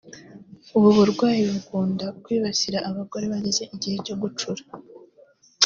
ubu burwayi bukunda kwibasira abagore bageze igihe cyo gucura